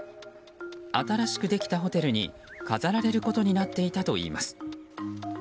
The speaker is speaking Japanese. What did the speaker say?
新しくできたホテルに飾られることになっていたといいます。